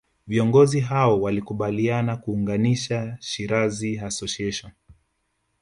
Viongozi hao walikubaliana kuunganisha Shirazi Association